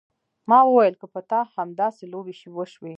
ما وويل که پر تا همداسې لوبې وشي.